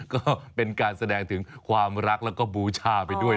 ก็เป็นการแสดงถึงความรักแล้วก็บูชาไปด้วย